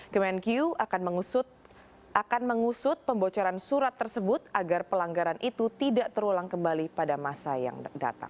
kemenq akan mengusut pembocoran surat tersebut agar pelanggaran itu tidak terulang kembali pada masa yang datang